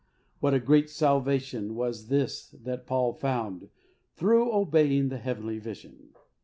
What a great salvation was this that Paul found through obeying the heavenly vision